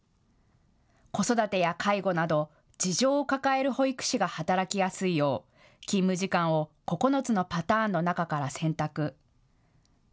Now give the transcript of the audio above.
子育てや介護など事情を抱える保育士が働きやすいよう勤務時間を９つのパターンの中から選択。